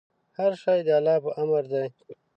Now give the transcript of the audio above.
هر شی د الله په امر دی.